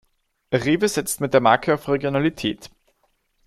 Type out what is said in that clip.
Rewe setzt mit der Marke auf Regionalität.